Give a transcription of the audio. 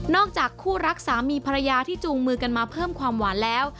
จากคู่รักสามีภรรยาที่จูงมือกันมาเพิ่มความหวานแล้ว